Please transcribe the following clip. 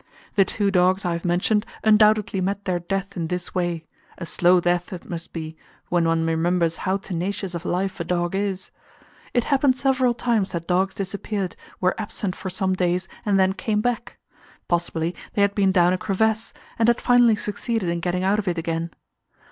The two dogs I have mentioned undoubtedly met their death in this way: a slow death it must be, when one remembers how tenacious of life a dog is. It happened several times that dogs disappeared, were absent for some days, and then came back; possibly they had been down a crevasse, and had finally succeeded in getting out of it again.